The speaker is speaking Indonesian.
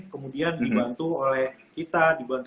kemudian dibantu oleh kita dibantu